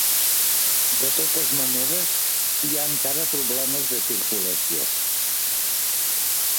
De totes maneres, hi ha encara problemes de circulació.